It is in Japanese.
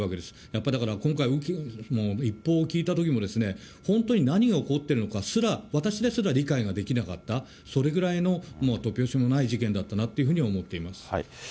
やっぱりだから今回、一報を聞いたときも、本当に何が起こってるのかすら、私ですら理解ができなかった、それぐらいの突拍子もない事件だったなというふうに思っています。